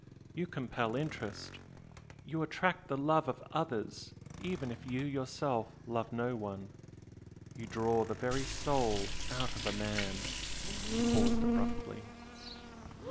you compel interest you attract the love of others even if you yourself love no one you draw the very soul out of a man " He paused, abruptly.